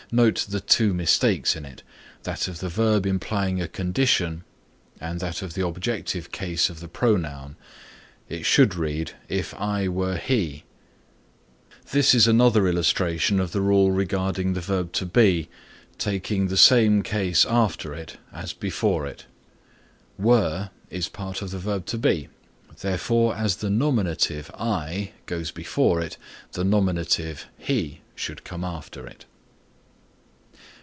Note the two mistakes in it, that of the verb implying a condition, and that of the objective case of the pronoun. It should read If I were he. This is another illustration of the rule regarding the verb To Be, taking the same case after it as before it; were is part of the verb To Be, therefore as the nominative (I) goes before it, the nominative (he) should come after it.